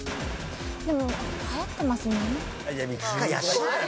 でもはやってますもんね。